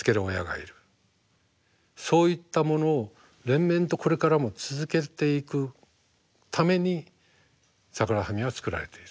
そういったものを連綿とこれからも続けていくためにサグラダ・ファミリアは作られている。